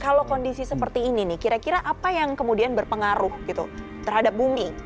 kalau kondisi seperti ini nih kira kira apa yang kemudian berpengaruh gitu terhadap bumi